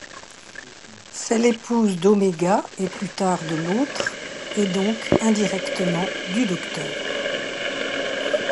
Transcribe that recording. C'est l'épouse d'Omega et plus tard de l'Autre, et donc indirectement du Docteur.